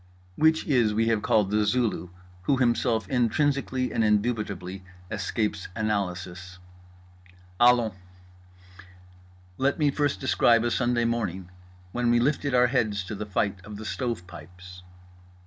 Which IS we have called The Zulu, who Himself intrinsically and indubitably escapes analysis. Allons! Let me first describe a Sunday morning when we lifted our heads to the fight of the stove pipes.